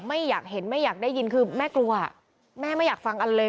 ไม่อยากเห็นไม่อยากได้ยินคือแม่กลัวแม่ไม่อยากฟังอันเลย